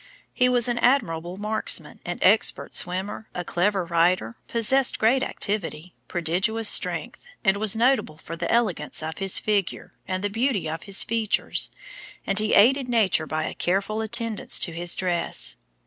He was an admirable marksman, an expert swimmer, a clever rider, possessed great activity, prodigious strength, and was notable for the elegance of his figure, and the beauty of his features, and he aided Nature by a careful attendance to his dress.